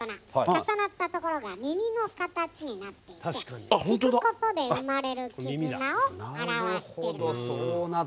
重なったところが耳の形になっていて聴くことで生まれる絆を表してる。